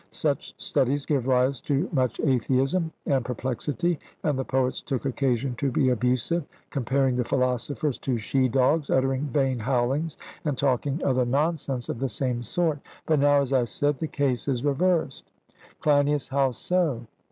Such studies gave rise to much atheism and perplexity, and the poets took occasion to be abusive comparing the philosophers to she dogs uttering vain howlings, and talking other nonsense of the same sort. But now, as I said, the case is reversed. CLEINIAS: How so?